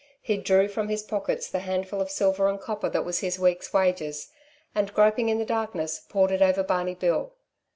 He drew from his pockets the handful of silver and copper that was his week's wages, and, groping in the darkness, poured it over Barney Bill.